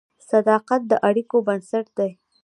صداقت د اړیکو بنسټ دی.